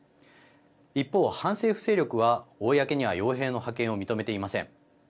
一方、反政府勢力は公にはよう兵の派遣を認めていません。